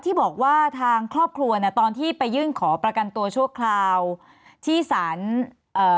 ที่บอกว่าทางครอบครัวน่ะตอนที่ไปยื่นขอประกันตัวชั่วคราวที่สารเอ่อ